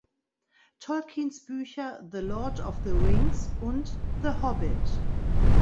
Tolkiens Bücher "The Lord of the Rings" und "The Hobbit".